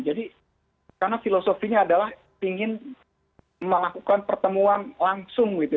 jadi karena filosofinya adalah ingin melakukan pertemuan langsung gitu